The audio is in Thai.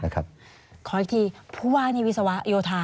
ขออีกทีภูวาในวิศวะโยธา